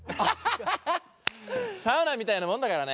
サウナみたいなもんだからね。